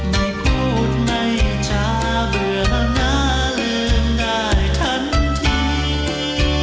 ไม่พูดไม่จาเบื่องหน้าลืมได้ทันที